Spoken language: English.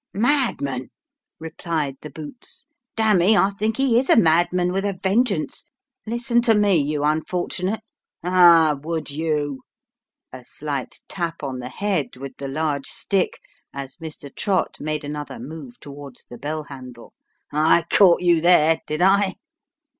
" Madman I " replied the boots, " dam'me, I think he is a madman with a vengeance ! Listen to me, you unfort'nate. Ah ! would you ?" [a slight tap on the head with the large stick, as Mr. Trott made another move towards the bell handle] " I caught you there I did I?